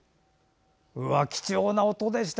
貴重な音でした。